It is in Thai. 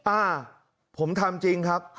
อ่าผมทำจริงครับ